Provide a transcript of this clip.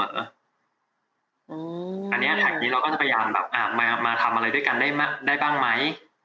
อันนี้แท็กนี้เราก็จะพยายามแบบมาทำอะไรด้วยกันได้บ้างไหม